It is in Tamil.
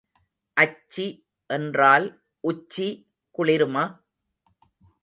அச்சி என்றால் உச்சி குளிருமா?